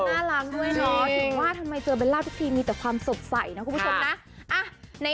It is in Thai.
น่ารักด้วยเนาะถึงว่าทำไมเจอเบลล่าทุกทีมีแต่ความสดใสนะคุณผู้ชมนะ